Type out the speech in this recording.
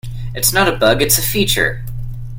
It's not a bug, it's a feature!